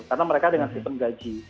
karena mereka dengan sistem gaji